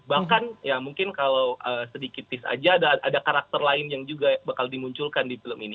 bahkan ya mungkin kalau sedikit tis aja ada karakter lain yang juga bakal dimunculkan di film ini